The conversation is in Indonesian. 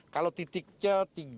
kalau titiknya tiga puluh empat